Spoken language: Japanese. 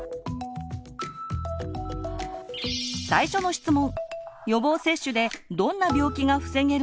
最初の質問！